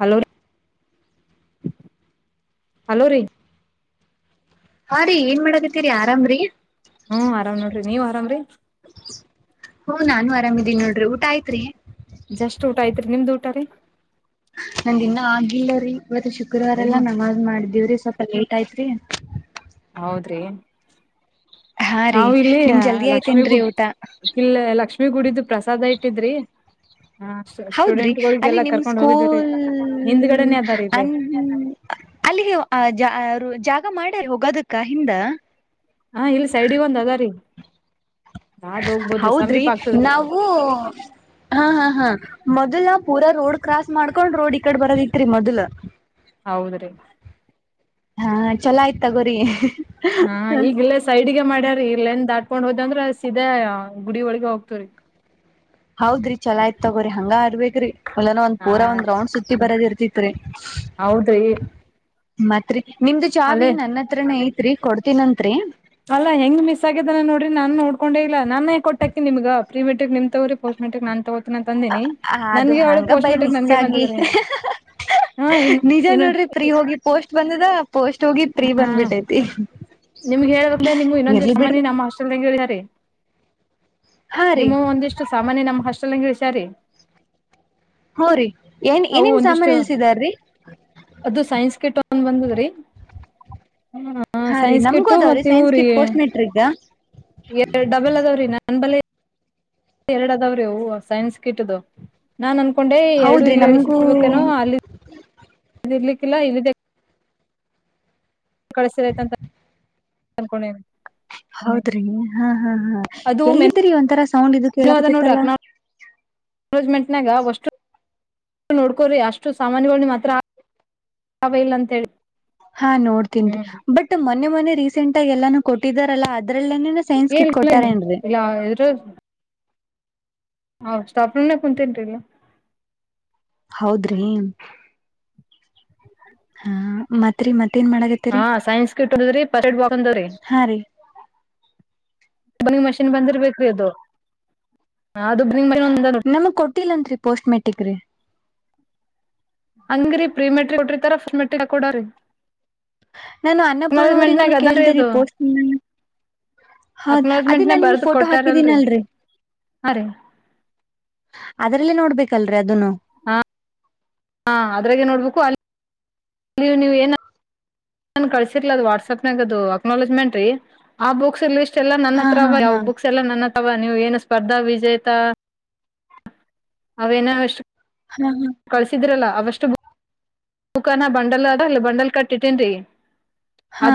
Hello ರೀ hello ರೀ. ಹಾ ರೀ ಏನ್ ಮಾಡದತ್ತೇರಿ ಆರಾಮ್ರೀ. ನೀವು್ ಆರಾಮ್ರೀ. ಹ ನಾನು ಆರಾಮ ಇದೀನಿ ನೋಡ್ರಿ ಊಟ ಆಯ್ತ್ರಿ. ಜಸ್ಟ್ ಊಟ ಐತ್ರಿ ನಿಮ್ದ್ ಊಟ ರೀ ನಂದ ಇನ್ನ ಆಗಿಲ್ಲ ರೀ ಮತ್ತ ಶುಕ್ರವಾರ ಏನ್ ಎಲ್ಲ ನಮಾಜ್ ಮಾಡಿದಿವವ್ರೀವಲ್ಪ ಲೇಟ್ ಆಯತ್ರಿ. ಹೌದ್ರಿ. ಹಾ ರೀ ನಾವವು ಇಲ್ಲಿ ನಿಮ್ ಜಲ್ದಿ ಲಕ್ಷ್ಮೀ ಆಯ್ತೇನ್ರೀ ಗುಡ್ ಊಟ ಕಲ್ ಲಕ್ಷ್ಮೀ ಗುಡಿದು ಪ್ರಸಾದ ಇಟ್ಟಿದ್ರಿ. ಹ ಹೌದ್ರಿ ಸ್ಟೂಡೆಂಟ್ ಅಲ್ಲಿ ಗಳಿಗೆಲ್ಲಾ ನಿಮ್ ಕರ್ಕೊಂಡ್ ಹೋಗಿದ್ವಿರಿ ಸ್ಕೂಲ್ ಹಿಂದ್ಗಡೆನೆ ಅದಾರಿ ಅ ಇಲ್ಲಿ ಅಲ್ಲಿಗೆ. ಆ ಮಾಡೇ ಹೋಗೋದಕ್ಕ ಹಿಂದ. ಹಾ ಇಲ್ಲಿ ಸೈಡ್ಿಗೆ ಒಂದ್ ಅಗಾರಿ. ಹೌದ್ರಿ ನಾವು ಹಾ ಹಾ ಹಾ ಮೊದ್ಲ ಪೂರ ರೋಡ್ ಕ್ರಾಸ್ ಮಾಡ್ಕೊಂಡ್ ರೋಡ್ ಈಕಡೆ ಬರದಿತ್ರಿ ಮೊದ್ಲ. ಹೌದ್ರಿ. ಹಾ.. ಚಲೋ ಆಯ್ತಗೋರಿ. ಇಲ್ಲ ನ್ ದಾಟ್ಕೊಂಡ್ ಹೋದ ಅಂದ್ರ ಸೀದಾ ಗುಡಿ ಒಳಗ ಹೋಗ್ತವ್ರಿ. ಹೌದ್ರಿ ಚಲೋ ಯ್ತ್ ತಗೋ್ರಿ ಹಂಗ ಅರ್ಬೇಕೇ್ರಿ ಒಲ್ಲನ ಒಂದ್ ಹಾ ಪೂರ ಒಂದ ರೌಂಡ್ ಸುತ್ತಿ ಬರೋದಿರ್ರಿ. ಚಿತ್ರೆ. ಹೌದ್ರಿ. ಮತ್ರಿ. ನಿಮ್ದ ಅಲ್ಲೇ ಚಾವಿ ನನ್ನ ಹತ್ರನೇ ಐ. ತ್ರಿ ಕೊಡ್ತನತ್ರಿ. ಅಲ್ಲ ಹೆಂಗ ಮಿಸ್ ಆಗ್ಯದಾನ ನೋಡ್ರ ನನ್ ನೋಕೊಂಡ ಇಲ್ಲ ನನ್ೇ ಕೊಟ್ಟಾಿಮಗ ಪ್ರ ಮೆ್ರಿಕ್ ನಿಮ್ ತಗ್ರ ಪಸ್ಟ್ ಮೆಟ್ರಿಕ್ ನನ್ ತಗ್ರಿ. ಅದು ಹಾಂಗ ಬೈ ಮಿಸ್ ನನ್ಗೆ ಆಗಿ ಬಂದದ್ರಿ ಹಾ ಇನ್ ನಿಜ ನೋಡ್ರಿ ಫ್ರೀ ಹೋಗಿ ಪೋಸ್ಟ್ ಬಂದದ ಪೋಸ್ಟ್. ಹೋಗಿ ಪ್ರೀ ಹ್ಮ ಬಂದ್ಬಿಟ್ಟೈತಿ ನಿಮ್ಗೆ ಹೇಳಬೇಕಂದ್ರೆ ನಿಮ್ಗೆ ಇನ್ನೊಂದ ದಿವ ಇರ್ಲಿ ಬಿಡ್ರಿ ಸಮಾನಿ ನಮ್ಮ್ ಹಸ್ಟೆಲ್ಂಗಗೆ ಹೇಳಿದಾರಿ. ಹಾ ರೀ ನಿವು ಒಂದಿಷ್ಟು ಸಾಮಾನ್ಯ ನಮ್ ಹಾಸ್ಟೆಲ್. ವಿಷಾರ. ಹಾ ರಿ ಏನ್ ಏನೇನ್ ಸಾಮಾನ ನಿಲ್ಸಿದಾರೀ ಒನ್ ಬಂದದ್ರೀ ಹ ಹಾ ರೀ ಸೈನ್ಸ್ ನಮ್ಗೂ ಕೆಟ್ಟು ಅದಾವ್ರೀ ಮತ್ತೆ ಸೈನ್ಸ್ ಊರಿ ಕಿಟ್ ಪೋಸ್ಟ್ ಮೆಟ್ರಿಕ್ ಡಬಲ್ ಅದವ್ರೀ ನನ್ ಬಲಿ ಎರಡು ಅದಾವ್ರೀ ಹ ಸೈನ್ಸ್ ಕಿಟ್ದು ನಾನ್ ಹಕೊಂಡೆ ಎರಡು ಹೌದ್ರಿ ಇಲ್ಲಿ ನಮ್ಗೂ ಎಳಿಸಿರ್ಬೇಕಾನೋ ಅಲ್ಲಿ ಇರ್ಲಿಕ್ಕಿಲ್ಲ ಇಲ್ಲ ಕಳ್ಸಿರ್ಐತಿ ಅನ್ಕೊಂಡೇ ಹೌದ್ರಿ ಹಾ ಹಾ ಹಾ ಅದು ಎಲ್ಲಿದ್ರರಿ ಒಂಥರಾ ಸೌಂಡ್ ಇದಕ್ ಕೇಕತಿತ್ತಲ್ಲ ರೊಜ್ಮೆಂಟ್ನಾಗ ಅಷ್ಟು ನೋಡ್ಕೊರಿ ಅಷ್ಟು ಸಾಮಾನಯಗಳು ನಿಮ್ಮ ಹತ್ರ ಇಲ್ಲ ಅಂತೇಳಿ. ಹಾ ನೋಡ್ತನ್ ರಿ ಬಟ್ ಮನೆ ಮನೆ. ರೀಸಂಟ್ ಆಗ ಎಲ್ಲಾನು ಕೊಟ್ಟಿದಾರಲ್ಲ ಅ ಏನ್ ಇಲ್ಲಾ ಎಲ್ಲರೂ ಅವಷ್ಟಪನ್ನ ಕುಂತಿರ್ತೀವಿ ಹೌದ್ರಿ ಹಾ ಮತ್ರಿ ಮತ್ ಹಾ ಸೈನ್ಸ್ ಇಟ್ ರಿ ಪರಿಟ್ ಬಾಕ್ಂದವ್ರಿ ಹಾ ರೀ ನಿಂಗ್ ಮಷಿನ್ ಬಂದಿರ್ಬೇಕ್ರಿ ಅದು ಅದು ಬನ್ನಿಂಗ್ ಮಷಿನ್ ಒಂದ ನಮಗ್ ಕೊಟ್ಟಿಲ್ಲಂರಿ ಪೋಸ್ಟ್ ಮೆಟ್ ಟೆಕ್ ರಿ ಹಂಗ್ರೀ ಫ್ರೀ ಮೆಟ್ರರಿಯಲ್ ಕೊಟ್ರತಾರ ಮೆಟರಿಯ ಕೊಡ್ರರಿ ನಾನು ಅನ್ನಪೂರ್ಣ ಅವರಿಗ ಅದಲ್ರಿ ಕೇಳ ಅದು ಪೋಸ್ ಹೌ ಅದ ಅಕ್ನಾಲಜ್ಮೆಂಟ್ನ ನ ನಿಮ ಬರ್ದು ಫೋಟೋ ಕೊಟ್ಟಾರಲ್ರಿ ಹಾಕಿದೀನಲ್ ಹಾ ರೀ ಅದ್ರಲ್ಲ ನೋಡ್ಬೇಕ ಕಲ್ರ ಅದನು ಹಾ ಹಾ ಅದ್ರಾಗೆ ನೋಡ್ಬೇಕು ಅಲ್ಲಿ ಅಲ್ಲಿ ನೀವು ಏನು ನಾನನ್ ಕಳಸಿರ್ಲ ಅದು ವಾಟ್ಸ್ಆಪ್ ನಾಗ ಅದು ಅಕ್ನಾಲಜ್ಮೆಂಟ್ ರೀ ಆ ಬುಕ್ಸ ಎಲ್ಲ ನನ್ನ ಹಾ ಹತ್ರ ಹಾ ಹಾ ಯಾವ್ ಬುಕ್ ಎಲ್ಲ ನನ್ನತ್ರ ವಾ ನೀವ್ ಏನು ಸ್ಪರ್ಧಾ ವಿಜೇತ ಅವೇನಷ್ಟು ಹಾ ಕಳ್ಸಿದ್ರಲ್ಲ ಅವಷ್ಟು ಬುಕ್ಕನ ಬಂಡಲ್ ಅದ ಅಲ್ಲ ಬಂಡಲ್ ಕಟ್ಟಿಟ್ಟೇನ್ರಿ ಹಾ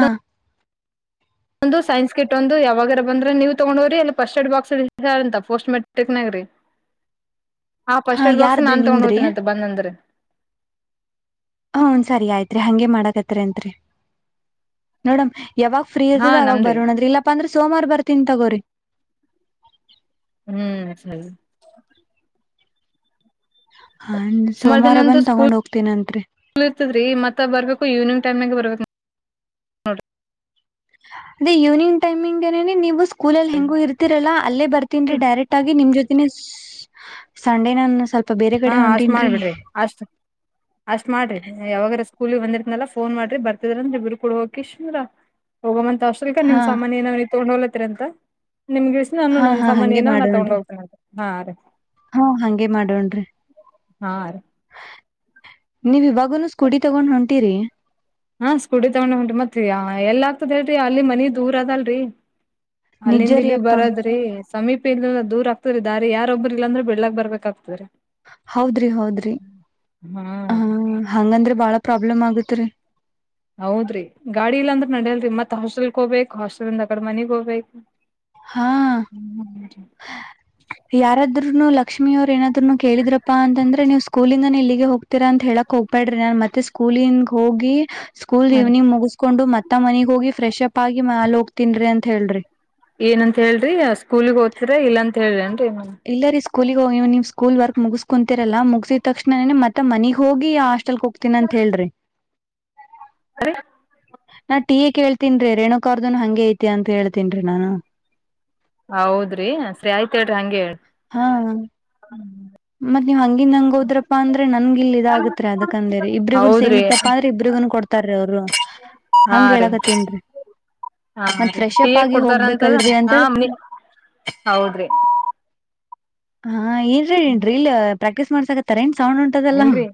ಒಂದು ಸೈನ್ಸ್ ಕಿಟ್ ಒಂದು ಯಾವಾಗಾರ ಬಂದ್ರೆ ನೀವುತೊಗೊಂಡೋಗ್ರಿ ಇಲ್ಲಿ ಫಸ್ಟ್ ಏಡ್ ಬಾಕ್ಸ್ಂತ ಪೋಸ್ಟ್ ಮೆಟ್ರಿಕ್ನಾಗ್ರೀ ಹಾ ಫಸ್ಟ್ ಏಡ್ ಬಾಕ್ಸ್ ಯಾರ್ದ್ರಿ ನಾನ್ ತಗೊಂಡ್ ನಿಮ್ದ್ರಿ ಹೋತನಂತ ಬಂದ್ರೆ ಹ್ಮ ಸರಿ ಆಯ್ತ್ರಿ ಹಗೆ ಮಾಡಕತ್ರಿ ಅಂರಿ ನೋಡಮ ಯಾವಾಗ ಶ್ರೀ ಹಾ ಇರ್ತದ ಅವಾಗ ನಮ್ದೇ ಬರೋಣದ್ರ ಇಲ್ಲಪ್ಪ ಅ್ರ ಸೋಮಾರ ಬರ್ ಚಿಂತಕರಿ ಹ್ಮ್ ಸ ಹ ಸುಮಾರು ದಿನಂದು ಸ್ಕೂಲ್ ಇರ್ತದ್ರೀ ಮತ್ತ ಬರ್ಬೇಕು ಇವ್ನಿಂಗ್ ಟೈಮಗೆ ಬರ್ಬೇಕು ನೋಡಿರಿ ಅದೇ ಈವ್ನಿಂಗ್ ಟೈಮಿಂಗ್ ಏನೇ ನೀವು ಕೂಲ್ಲಿ ಹೆಂಗೂ ಇರ್ತಿರಲ್ಲ ಅಲ್ಲೇ ಬರ್ತೀನ್ರೀ ಡೈರೆಕ್ಟ್ ಆಗಿ ನಿಮ ಜೊತೆ ಸಂಡೆ ನ ಸ್ವಲ್ಪ ಬೇರೆ ಹಾ ಕಡೆ ಅಷ್ಟ್ ಹೊಂಟೀನ್ರಿ ಮಾಡ್ಬಿಡ್ರಿ ಅಷ್ಟ ಅಷ್ಟ್ ಮಾಡ್ರಿ ಯಾವಾಗಾರ ಸ್ಕೂಲ್ ಬಂದಿರ್ತನಲ್ಲ ಫೋನ್ ಮಾಡ್ರಿ ಬರ್ತಿದ್ರಂದ್ರೆಇಬ್ಬರು ಕೂಡ ಹೋಗಿಂದ ಹೋಗ ಸ ನಿಮ ಹಾ ಸಾಮಾನನ್ಏನ ತೊಂಡ ಹತ್ರಂತ ನಿಮ್ಗೆ ಇಷ್ಟ ನಾನು ಹಾ ನನ್ ಹಾ ಸಾಮಾನ ಹಂಗೆ ಏನ ನ ತಗೊಂಡ್ ಮಾಡೋಣ್ರಿ ಹೋಗ್ತೇನಂತ ಹಾ ರ ಹಾ ಹಂಗೆ ಮಾಡೋಣ್ರಿ ಹಾ ನೀವ್ ಇವಾಗನು ಸ್ಕೂಟಿ ತಗೊಂಡ್ ಹೊಂಟಿರಿ ಹಾ ಸ್ಕುಟಿ ತಗೊಂಡ ಹೊಂಟಿ ಮತ್ತತ್ಯ ಎಲ್ಲ ಆಗ್ತದ ಹೇಳಿ ಅಲ್ಲಿ ಮನಿ ದೂರ ಅದ ಅಲ್ಲ ರೀ ನಿಜ ಅಲ್ಲಿಂದ ರೀ ಇಲ್ಲಿಗೆ ಅಪ್ಪಾ ಬರದ್ರಿ ಸಮೀಪ ದೂರ ಆಗ್ತದೆರಿ ದಾರಿ ಯಾರೊಬ್ಬ ಇಲ್ಲ ಅಂದ್ರ ಬಿಡಲಾಕ್ ಬರ್ಬೇಕಾಗ್ತದೆರಿ ಹೌದ್ರಿ ಹೌದ್ರಿ ಹಾ ಹ ರೀ ಹಂಗಂದ್ರೆ ಬಾಳ ಪ್ರಾಬ್ಲಮ್ ಆಗುತ್ತ ತ್ರೇ ಹೌದ್ರಿ ಗಾಡಿ ಇಲ್ಲಾಂದ್ರ ನಡ್ಯಲ್ರಿ ಮತ್ ಹಾಸ್ಟೆಲ್ ಹೋಗ್ಬೇಕಕ್ ಹಾಸ್ಟೆಲ್ಂದ ಕಡೆ ಮನಗ್ ಹೋಗ್ಬೇಕು ಹಾ ಯಾರಾದ ಲಕ್ಷ್ಮಿಯವರ ಏನ ಕೇಳಿದ್ರಪ್ಪಾ ಅಂತಾದರೆ ನೀವು ಸ್ಕೂಲಿಂದಾನ ಇಲ್ಲಿಗೆ ಹೋಗ್ತೀರಾ ಅಂತ ಹೇಳಕ್ ಹೋಗ್ಬೇಡ್ರಿ ನಾನ್ ಮತ್ತೆ ಸ್ಕೂಲನ್ ಹೋಗಿ ಸ್ಕೂಲ್ ಹ್ಮ್ ಇವ್ನಿಂಗ್ ಮುಗಿಸ್ಕೊಂಡು ಮತ್ತ ಮನೆಗ್ ಹೋಗಿ ಫ್ರೆಶ್ ಅಪ್ ಆಗಿ ಮ್ಯಾಲ್ ಹೋಗ್ತನ್ರೀ ಅಂತ ಹೇಳ್ರಿ ಇಲ್ಲ ಅಂತ ಹೇಳ್ದನ್ ರೆ ಮನೆ ಇಲ್ಲ ರೀ ಸ್ಕೂಲಿಗೆ ಹೋಗ ನೀವು ಸ್ಕೂಲ್ ವರ್ಕ್ ಮುಗಿಸ್ಕೊಂತಿರಲ್ಲ ಮುಗಸಿದ ತಕ್ಷಣ ಮತ್ತೆ ಮನೆಗ್ ಹೋಗಿ ಅಷ್ಟ. ಲ್ ಹೋಗ್ತೀನ ಅಂತ ಹೇಳ್ರಿ ಅ ನಾ ಟಿವಿ ಕೇಳ್ತೀನ್ ರೀ ರೇಣುಕಾ ಅವರದ ಹಂಗೆ ಐತಿ ಅಂತ ಹೇಳ್ತನರೀ ನಾನು ಹೌದ್ರಿ ಸರಿ ಆಯ್ತ ಸರಿ ಹಂಗೆ ಹೇಳಿ ಹ್ಮ ಮತ್ತೆ ನೀವು್ ಹಂಗ ನ್ ನಂಗ ಹೋದ್ರಾ ಅಂದ್ರೆ ನನ್ ಇಲ್ ಇದ ಆಗತ್ರಿ ಅದಕ್ಕ ಅಂದೇರಿ ಇಬ್ರಿಗುನ್ ಹೌದ್ರಿ ಸೇಮತ್ತಪ್ಪಾ ಅಂದ್ರ ಇಬ್ರಿಗುನು ಕೊಡ್ತಾರ ಅವರು ಹಾ ಹಂಗ ರೀ ಹೇಳಕತ್ತೇನ್ರೀ ಹಾ ಮತ್ತ್ ರೀ ಫ್ರೆಶ್ ಟೀ ಅಪ್ ಯಾಕ್ ಆಗಿ ಕೊಡ್ತಾರಂತದ ಹೋಗ್ಬೇಕಲ್ರಿ ಹಾ ಅಂತೇತ ಮನಿ ಹೌದ್ರಿ ಹಾ ಏನ್ರೀ. ರೀಲ್ ಪ್ರಾಕ್ಟೀ್ ಮಾಡ್ಸಕತ್ತಾರ. ಸೌಂಡ್ ಉಂಟದಲ್ಲ ಇಲ್ರರಿ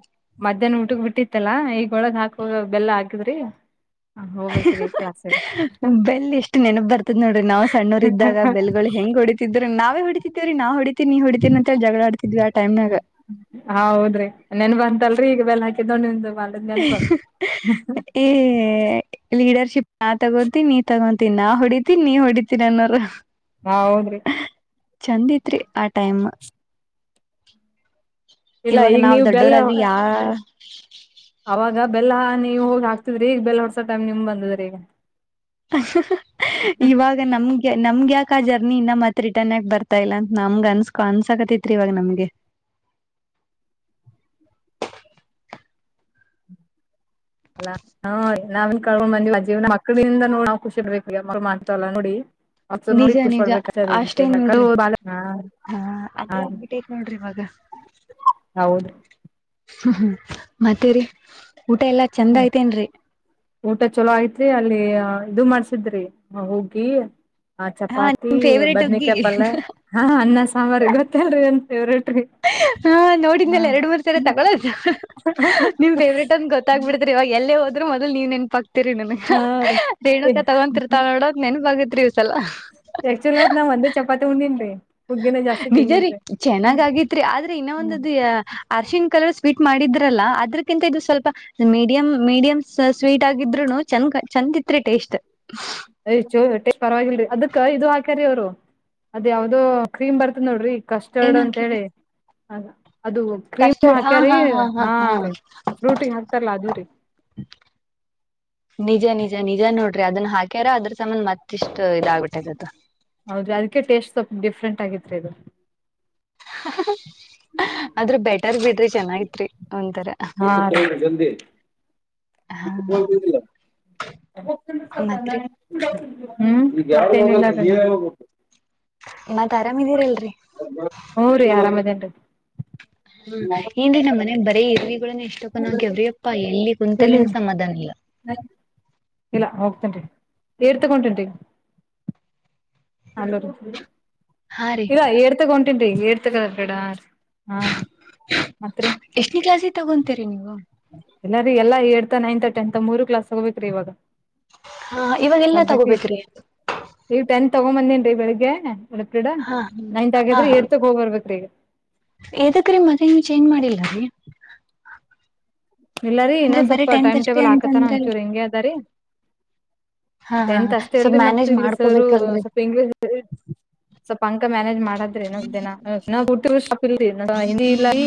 ಮಧ್ಯಾಹ್ನ ಊಟಗ್ ಬಿಟ್ಟಿತ್ತಲ್ಲಾ ಈಗ ಒಳದ ಹಾಕುವ ಬೆಲ್ಲ ಹಾಕಿದ್ರಿ. ಹೋಗ್ಬೇಕ್ರಿ ಕ್ಲಾಸಿಗ್ ಬೆಲ್ ಎಷ್ಟ್ ನೆನಪ ಬರ್ತದ್ ನೋಡ್ರಿ ನಾವ್ ಸಣ್ಣೂರ್ ಇದ್ದಾಗ ಬೆಲ್ಗಳು ಹೆಂಗ್ ಹೊಡಿತಿದ್ರರು ನಾವ. ಹಿಡಿತೀವ ರ ನಾ ಹ ಹೊ. ನೀ ಹುಡಿತೀನ ಅಂತ ಜಗಳ ಆಡ್ತಿದ್ವಿ ಆ ಟೈಮ್ನಾಗ. ್ರ ಬೆಲಾ ದ್ಣಂದು. ಈ ಲೀಡರ್ ನಾನ್ ತಗೊಂತೀ ನೀ ತಗೊಂತೀನಿ ಹೊಡಿತೀನ್ ನೀ ಹೊಡಿತೀರಿ ನನ್ನೋರ. ಹೌದ್ರಿ ಚಂದ ತ್ರಿ ಆ ಟೈಮ್. [inaudible] ಇಲ್ಲ ಇವಾಗ ಈಗ ನಾವ್ ನೀವ್ ದೊಡ್ಡೋರಾದ್ರೂ ಬೆಲ್ಲ ಯಾ. [inaudible] ನೀವು ಹೋಗ ಹಕ್ತಿದ್ರಿ ಈಗ ಬೆಲೆ ಹೊಡೆಸೋ ಟೈಮ್ ನಿಮ್ ಬಂದಿದ್ರ ಈಗ. ಇವಾಗ ನಮ. ನಮ್ಗ ಯಾಕ ಆ ಜರ್ನಿ ಇನ್ನ ಮತ್ ರಿಟರ್ನ್ ಯಕ ಬರ್ತಾ ಇಲ್ಲ ಅಂತ ನಮ್ಗ ಅನ್ಸ್ಕೊ ಅನ್ಸಾಕತಿತ್ರಿ ಇವಾಗ ನಮ್ಗೆ. ಅಲ್ಲಾ ಹ ನಾವನ್ ಕಳ್ೊಂಡ್ ಬಂದಿವ ಮಕ್ಕಳಿಂದ ನೋಡ್ ನಾ್ ಖುಷಿ ಇಡ್ಬೇಕ ಈಗ ಮಳ ಮಾಡ್ತವಲ್ಲ ನೋಡಿ. ಅವ ನೋಡಿ ನಿಜ ನಿಜ ಖುಷಿಪಡ್ಬೇಕ ಅಷ್ಟೇ ನೋಡ್ರಿ. ಹಾ ಅದೇ ಆಗ್ಬಿಟ್ಟೈತ್ ನೋಡ್ರಿ ಇವಾಗ. ಹೌದು. ಹ್ಮ್ ಹ್ಮ್ ಮತ್ತೇರಿ. ಊಟ ಎಲ್ಲಾ ಚಂದ ಹ ಐತೇನ್ರಿ. ಊಟ ಚಲೋ ಐತ್ರಿ ಅಲ್ಲಿ ಇದು ಮಾಡ್ಸ. ಿದ್ರಿ ಹ ಹೋಗಿ. ಆ ಹಾ ಚಪಾತಿ ನಿಮ್ ಫೇವ್ರೇಟ್ ಹುಗ್ಗಿ. ಬದ್ನಿಕಾಯ ಪಲ್ ಹಾ ಅನ್ನ ಸಂಬಾರ ಗೊತ್ತೇಲ್ರಿ ಏನ್. ೇವರೆಟ್. ಹಾ ನೋಡಿದ್ಮೇಲೆ ಎರಡು ಮೂರ್ ಸರಿ ತಗೊಳದು ನಿಮ್ ಫೇವ್ರೇಟ್ ಅಂದ ಗೊತ್ತ. ಆಗ್ಬ ಬಿಡ್ರ ಇವ ಎಲ್ಲ. ಹದ ಮೊದ ನೀ ನೆನ್ ಪ. ರಿನ್ ಹಾ ರೇಣುಕ ರೀ ತಗೊತಿಿರ್ತಾವ ನೋಡ ನೆನ್ ಬಗ. ಿವಸ ಅಲ್ಲ. ಆಕ್ಚುಲ್ ಆತ್ ನಾವ್ ಒಂದೇ ಚಪಾತಿ ಉಂದನ್ಳಹಹ ನಿಜ ರೀ ಚೆನ್ನಾಗಾಗೇತ್ರಿ ಆದ್ರೆ ಇನ್ನ ಹ್ಮ್ ಒಂದದು ಅರ್ಶಿನ್ ಕಲರ್ ಸ್ವೀಟ್ ಮಾಡಿದ್ರಲ್ಲ ಅದ್ರಕಿಂತ ಇದು ಸ್ವಲ್ಪ ಮೀಡಿಯಂ ಮೀಡಿಯಂ ಸ್ವೀಟ್ ಆಗಿದ್ರುನು ಚಂದ ಚಂದ ಇತ್ರಿ ಟೇಸ್ಟ್ ಯು ಪರವಾಗಿಲ್ರರಿ ಅದಕ್ಕ ಇದು ಹಾಕ್ಯಾರಿ ಅವರು ಅದ್ ಯಾವ್ದೋ ಕ್ರೀಮ್ ಬರ್ತ್ದ್ ನೋಡ್ರಿ ಕಸ್ಟರ್ಡ್ ಏನ್ ಹಾಕಿದ್ರಿ ಅಂತೇಳಿ ಹಲೋ ಅದು ಕ್ರೀಮ್ ಹಾಕ್ಯಾರಿೀ ಹಾ ರೀ ಫ್ರೂಟಿ ಹಾಕ್ತಾರಲ್ಲ ಅದು ರೀ ನಿಜ ನಿಜ ನಿಜ ನೋಡ್ರಿ ಅದನ್ನ ಹಾಕ್ಯಾರ ಅದ್ರ ಸಮನ್ ಮತ್ತಿಷ್ಟ ಹೌದ ಅದಕ್ಕೆ ಟೇಸ್ಟ್ ಸ್ವಲ್ಪ ಡಿಫ್ರೆಂಟ್ ಆಗಿತ್ತು ದು ಹ [unintelligible] ಆದ್ರ ಬೆಟರ್ ಬಿಡ್ರಿ ಚೆನ್ನಾಗಿತ್ರಿ ಒಂಥರ ಹ ಗ ಹಾ ಮತ್ರಿ ಹ್ಮ್ ಮತ್ ಆರಾಮಿದೀರಲ್ರರಿ ಹ್ ರೀ ಆರಾಮದೇ [inaudible] ಹ್ಮ ಇಂದಿನ ಮನೆಗ್ ಬರೇ ಇರ್ವಿ ಇಷ್ಟಕ್ಕನಗ್ಯಾವ್ರಿಪ್ಪಾ ಎಲ್ಲಿ ಎಲ್ಲಿ ಕುಂತಲಿನ ಸಮಾಧಾನ ಇಲ್ಲ ಇಲ್ಲ ಹೋಗ್ತೇನ್ರಿ ಏರ್ ತಗೊಂಡಂಟಂಟೀ ಹಲೋ ಹಾ ರೀ ಇಲ್ಲ ಏಡ್ ತಗೊಂಟ ತ [unintelligible] ಕದ ಕಡಾರ್ ಹಾ ರಿ ಮತ್ರಿ ಎಷ್ಟನೇ ಕ್ಲಾಸಿಗೆ ತಗೊಂತೀರಿ ನೀವು ಎಲ್ಲಾರಿರು ಎಲ್ಲ ಏಡ್ತ್ ನೈನ್ತ್ ಟೆಂತ್ ಮೂರು ಕ್ಲಾಸ್ ಹೋಗಬೇಕ್ರಿ ಇವಾಗ ಹಾ ಇವಾಗ ಎಲ್ಲ ತಗೋಬೇಕ್ರಿ ತಗೊಂಬಂದೇನ್ೀ ಬೆಳಿಗ್ಗೆ ಎ ಕ್ರೀಡಾ ಹಾ ನೈನ್ತ್ ಆಗ್ಯಾದ್ರೆ ಎಡ್ತಕ್ ಹೋಗ್ಬರ್ಬೇಕ್ರೀ ಈಗ ಎದಕ್ಕೆರಿ, ಮೊದಲೇ ಚೇಂಜ್ ಮಾಡಿಲ್ಲ, ರೀ.. [inaudible] ಇಲ್ಲಾರಿ ಅಂದ್ರೆ ಇನ್ನೊಂದು, ಬರೀ ಸ್ವಲ್ಪ ಟೆಂತ್ ಟೈಮ್ ಅಷ್ಟೇ ಟೇಬಲ್, ಅಂತ ಹಾಕತನ, ಅಂದ್ರಲ್ ಒಂಚೂರ್ ಹಿಂಗೆ ಇದ್ದಾರಿ. [inaudible] ಹಾ ಹಾ ಟೆಂತ್, ಅಷ್ಟೇ, ಸ್ವಲ್ಪ್ ಅಲ್ರೀ, ಮತ್ತೆ, ಮ್ಯಾನೇಜ್ ಇಲ್ಲಿ ಸರು ಮಾಡ್ಕೋಬೇಕಲ್ರರಿ ಸ್ವಲ್ಪ, ಇಂಗ್ಲಿಷ್. [unintelligible] ಪಂಕ ಮ್ಯಾನೇಜ್ ಮಾಡದ್ರಿ ನ ದಿನ ನಾವ್ ಟ್ಟಾಪ್ ಇಲ್ರಿ ಹಿಂದಿ ಇಲ್ಲ ಈ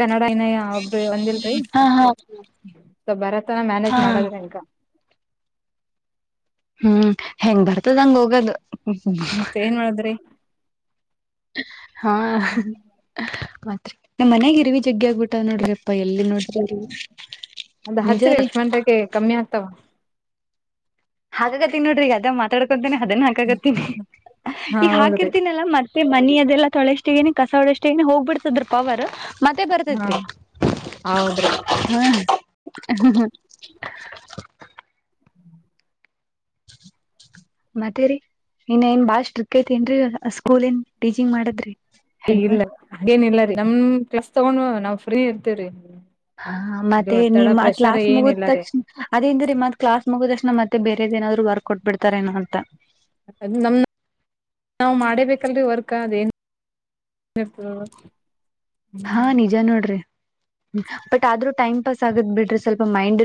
ಕನ್ನಡ ಇನಯ ಒಬ್ರಿ ಒಂದಿಲ್ರಿ ಹಾ ಹಾ ಸೊ,, ಭಾರತನ, ಮ್ಯಾನೇಜ್ ಹಾ ಮಾಡದ್ರ, ಹೆಂಗ. [inaudible] ಹ್ಮ್ ಹೆಂಗ್ ಬರ್ತದ ಹಂಗ ಹೋಗದು. ಮತ್ತೆ ಏನ್ ಮಾಡದ್ರಿ. ಹಾ. ಮಾತ್ರಿ ನಮ್ ಮನ್ಯಗ ಇರ್ವಿ ಜಗ್ಗ ಆಗ್ಬಿಟ್ಟ ನೋಡ್ರಿಪ್ಪಾ ಎಲ್ಲಿ ನೋಡ. ಅದ ಹಚ್ಚರಿಿ ಲಕ್ಷ್ಮಟಕ್ಕೆ ಕಮ್ಮಿ ಆಗ್ತಾವ. ಹಾಗ ತಿ ನೋಡ್ರಿ ಅದ ಮಾತಾಡ್ಕೊತೇನೆ. ಅದೇನ್ ಹಾಕಾಗತ್ತೀಿ ಹಾ ಈಗ ಹೌದ್ರಿ ಹಾಕಿರ್ತೀನಲ್ಲ ಮತ್ತ. ಮತ್ತ ಮಿ ಅದೆಲ್ಲ ತೊಳೆಷ್ಟಿಗೇನನೆ ಕಸ ಒಳಷ್ಟಿಗನನೆ ಹೋಗ್ಬಿಡ್ತದ್ರ ಪವರ್ ಮತ್ತೆ ಹಾ ಬರ್ತತ್ೀ ಹೌದ್ರಿ ಹ್ಮ ಹ್ಮ ಹ್ಮ ಮತ್ತೇರಿ ಇನ್ ಏನ್ ಬಾಳ ಸ್ಟ್ರಿಕ್ ಐತನ್ರರಿ ಸ್ಕೂಲ್ ನ್ ಟೀಚಿಂಗ್ ಮಾಡದ್ರಿ ಹೆಡ್ ಮಾಸ್ ಇಲ್ಲೇನಿಲ್ಲ ನಮ ಕೆಲ್ಸ ತಗೊಂಡ್ ನಾವ್ ಫ್ರೀ ಇರ್ತರಿ. ಹಾ ಮತ್ತೆ ನಿಮ್ಮತ್ ಕ್ಲಾಸ್ ಮುಗಿದ ಏನಿಲ್ಲರಿ ತಕ್ಷಣ ಅದೇಿಂದ್ರೀ ಮತ್ ಕ್ಲಾಸ್ ಮುಗಿದ ತಕ್ಷಣ ಮತ್ತೆ. ಮತ್ತೇರೆದ ನಾದ್ರುರ್ಕ್ಔಟ್ ಬಿಡ್ತಾರ ನೋ ಅಂತ. ಬೇಕಲ್ರಿ ವರ್ಕ್ ಅದ ಏನ್ಏರ್ತ. ಹಾ ನಿಜ ನೋಡ್ರಿ ಬಟ್ ಆದ್ರೂ ಟೈಮ್ ಸ್ ಆಗದ್ ಬಿ್ರೆ ಸ್ವಲ್ಪ ಮೈಂಡ್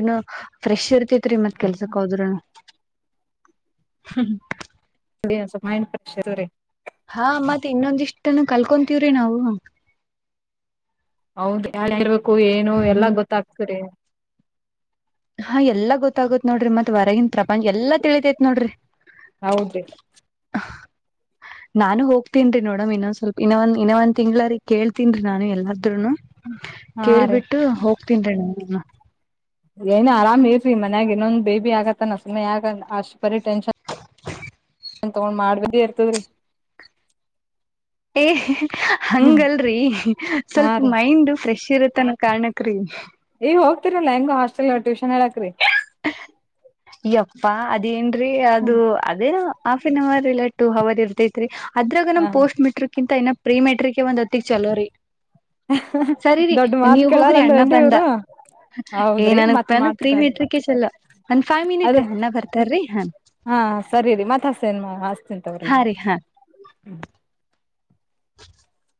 ಫ್ರೆಶ್ ಇರ್ತ ತ್ರಿ ಮತ್ ಕೆಲ್ಸಕ್ ಹೋದ್ ಹ್ಮ ಮೈಂಡ್ ಫ್ರೆಶ್ರಿ ಹಾ ಮತ್ತತ್ ಇನ್ನೊಂದಿಷ್ಟನ್ನು ಕಲ್ಕೊತೀವ್ರಿ ನಾವು ಹೌದ ಇರ್ಬೇಕು ಏನು ಎಲ್ಲ ಹ್ಮ್ ಗೊತ್ತಾಗಕ್ತರಿ ಹ ಎಲ್ಲಾ ಗೊತ್ತಾಗತ್ ನೋಡ್ರಿ ಮತ್ ಹೊರಗನ್ ಪ್ರಪಂಚ ಎಲ್ಲಾ ತಿಳಿತೇತ್ ನೋಡ್ರಿ ಹೌದ್ರಿ ನಾನು ಹೋಗ್ತೀನ್ಿ ನೋಡಮ್ ಇನ್ನೊಂದ್ ಸ್ವಲ್ಪ ಇನ್ನೊಂದ ಇನ್ನೊ ಒಂದ್ ತಿಂಗ್ಳರಿ ಕೇಳ್ತೀನ್ೀ ನಾನು ಎಲ್ಲು ಹಾ ರೀ ಕೇಳ್ಬಿಟ್ಟು ಹೋಗ ತಿಂಡಡ ಏನ ಆರಾಮ್ ಇಲ್ರಿ ಮನ್ಯಾಗ ಇನ್ನೊಂದು ಬೇಬಿ ಆಗತ್ತಾನ ಸುಮ್ಮನೆ ಯಗ ಅಷ್ಟು ಬರೀ ಟೆನ್ಷನ್ [inaudible] ನನ್ ತಗೊಂಡ್ ಮಾಡಬಿದ್ದೇ ಇರ್ತದ್ರಿ ಏ ಹ್ಮ್ ಹಂಗಲ್ರಿ ಹಾ ಸ್ವಲ್ಪ ರೀ ಮೈಂಡ್ ಫ್ರೆಶ್ ಇರುತ್ತನ ಕಣಕ್ ರೀ ಈಗ ಹೋಗ್ತಿರಲ್ಲಾ ಹೆಂಗ ಹಾಸ್ಟೆಲ್ ಟ್ಯೂಷನ್ ಹೇಳಕ್ರಿ. ಯಪ್ಪ ಅ. ಇದೇಏನ್ರೀ ಹ್ಮ ಅದು ಅದೇ ಹಾಫ್ ಆನ್ ಅವರ್. ಇಲ್ಲಟ್ಟು ಹ ಅವವದ ಇರ್ತೈತ್ರಿ. ಅದ್ರ ನಮಮ್ಮ ಹ ಪೋಸ್ಟ್ ಮೆಟ್ರಿಕ್ ಇಂತ ಏನ ಪ್ರೀ ಮೆಟ್ರಿಕ್. ಒಂದ್ ಹತ್ತಿಕ್ ಚಲೋ ರರಿ. ಸರಿರಿ ದೊಡ್ಡ ಮಾತ್ ನೀವ ಕೇಳಲ್ಲ ಹೋಗ್ರಿ ಅಣ್ಣ ಅಂದ್ರೇನ್ರಿ ಬಂದ ಇವ್ರು ಏ ಹೌದ್ರಿ ಮತ್ ನನಾನ ಪ್ರೀಮ ಮಾಡ್ತರನ್ರಿ ಹಟ್ರಕ ಚಲ. ಅದ ಹಾ ಸರಿರಿ ಮತ್ತ ಹಸ ಏನ್. [unintelligible] ಹಾ ರೀ ಹಾ ಹ್ಮ [unintelligible] [unintelligible]